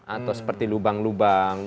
atau seperti lubang lubang